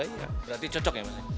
berarti cocok ya mas